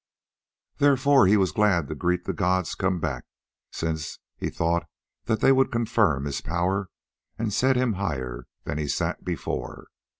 Therefore he was glad to greet the gods come back, since he thought that they would confirm his power, and set him higher than he sat before.